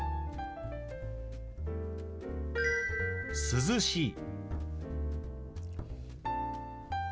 「涼しい」。